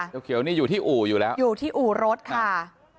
เขียวนี่อยู่ที่อู่อยู่แล้วอยู่ที่อู่รถค่ะ